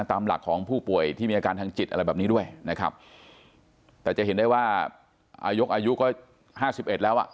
สามหลักของผู้ป่วยที่มีอาการทางจิตอะไรแบบนี้ด้วยแต่จะเห็นได้ว่ายกอายุ๕๑แล้ว